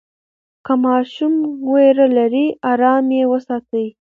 که ماشوم ویره لري، آرام یې وساتئ.